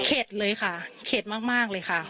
เลยค่ะเข็ดมากเลยค่ะ